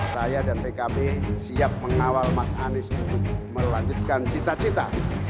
saya dan pkb siap mengawal mas anies untuk melanjutkan cita cita